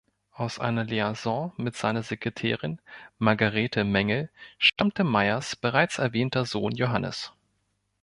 Aus einer Liaison mit seiner Sekretärin Margarete Mengel stammte Meyers bereits erwähnter Sohn Johannes.